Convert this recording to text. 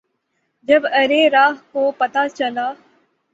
جب ارے راہ کو پتہ چلا